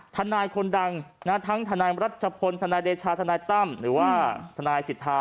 ถนายคนดังทั้งถนายรัชชะพลถนายเดชาหรือว่าถนายสิทธา